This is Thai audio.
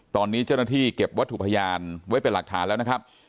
ตอนนี้เจ้าหน้าที่เก็บวัตถุพยานไว้เป็นหลักฐานแล้วนะครับ